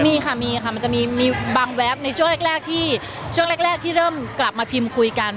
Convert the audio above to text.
มีค่ะมีค่ะมันจะมีบางแวบในช่วงแรกที่ช่วงแรกที่เริ่มกลับมาพิมพ์คุยกัน